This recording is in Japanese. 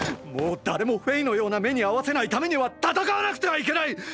もう誰もフェイのような目に遭わせないためには戦わなくてはいけない！！